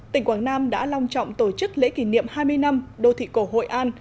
tỉnh quảng nam đã long trọng tổ chức lễ kỷ niệm hai mươi năm đô thị cổ hội an